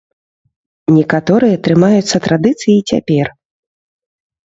Некаторыя трымаюцца традыцыі і цяпер.